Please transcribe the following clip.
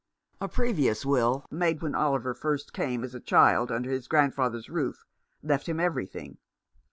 A previous will, made when Oliver first came as a child under his grandfather's roof, left him every thing.